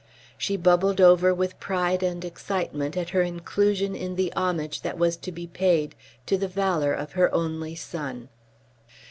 She bubbled over with pride and excitement at her inclusion in the homage that was to be paid to the valour of her only son.